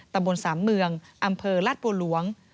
ตำบลสามเมืองอำเภอลาดบัวหลวง